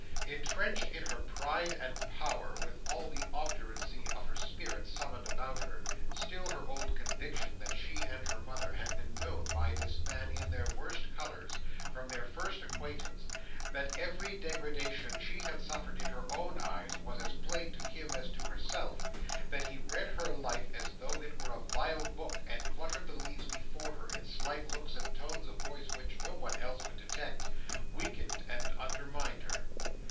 Entrenched in her pride and power, and with all the obduracy of her spirit summoned about her, still her old conviction that she and her mother had been known by this man in their worst colours, from their first acquaintance; that every degradation she had suffered in her own eyes was as plain to him as to herself; that he read her life as though it were a vile book, and fluttered the leaves before her in slight looks and tones of voice which no one else could detect; weakened and undermined her.